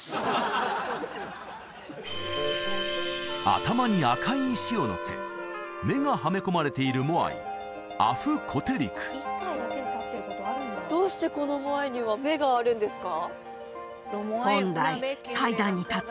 頭に赤い石をのせ目がはめ込まれているモアイアフ・コテリクどうしてこのモアイには目があるんですか？